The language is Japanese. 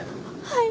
はい。